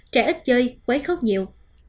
trẻ ít chơi quấy khóc nhiều